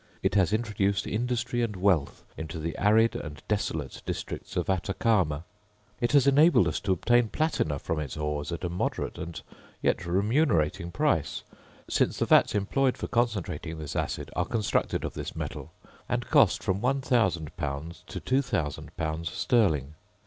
It has introduced industry and wealth into the arid and desolate districts of Atacama. It has enabled us to obtain platina from its ores at a moderate and yet remunerating price; since the vats employed for concentrating this acid are constructed of this metal, and cost from 1000l. to 2000l. sterling.